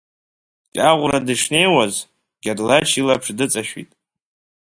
Кьаӷәра дышнеиуаз, Гьадлач илаԥш дыҵашәит.